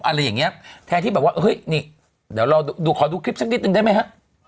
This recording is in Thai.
อะไรอย่างเงี้ยแทนที่แบบว่าเฮ้ยนี่เดี๋ยวเราดูขอดูคลิปสักนิดนึงได้ไหมฮะ